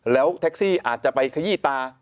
แล้วแท็กซี่อาจจะไปขยี้ตา